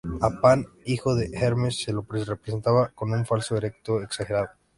A Pan, hijo de Hermes, se lo representaba con un falo erecto exagerado.